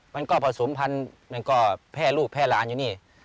มันก็ผสมในแพร่ลูกแพ่หลานอยู่นี่